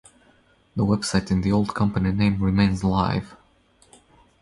The website in the old company name remains live.